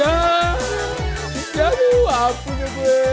ya aduh ampun ya gue